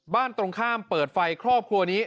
ตรงข้ามเปิดไฟครอบครัวนี้